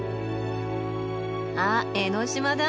あっ江の島だ！